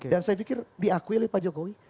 dan saya pikir diakui oleh pak jokowi